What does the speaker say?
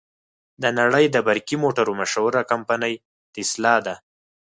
د نړې د برقی موټرو مشهوره کمپنۍ ټسلا ده.